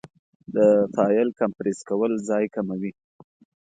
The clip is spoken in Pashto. د فایل کمپریس کول ځای کموي.